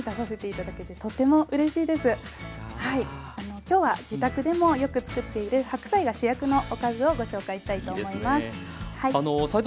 今日は自宅でもよく作っている白菜が主役のおかずをご紹介したいと思います。